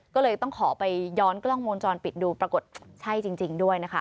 ก็เลยต้องขอไปย้อนกล้องมูลจรปิดดูปรากฏใช่จริงด้วยนะคะ